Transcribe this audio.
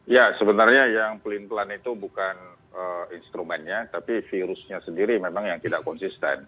ya sebenarnya yang pelin pelan itu bukan instrumennya tapi virusnya sendiri memang yang tidak konsisten